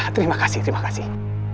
terima kasih terima kasih